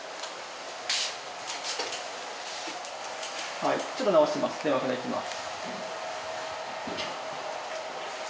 はいちょっと直します